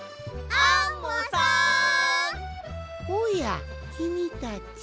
おやきみたち。